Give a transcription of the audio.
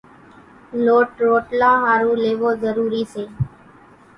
لوٽ روٽلان ۿارُو ليوو ضروري سي۔